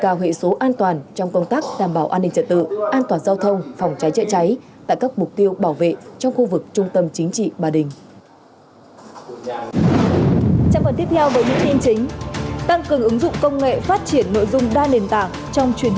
nhấn mạnh việc bảo vệ tuyệt đối an ninh an toàn khu vực trung tâm chính trị ba đình có ý nghĩa đặc biệt quan trọng